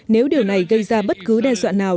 nếu điều này gây ra bất cứ đe dọa nào